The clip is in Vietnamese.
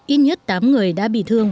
ít nhất tám người đã bị thương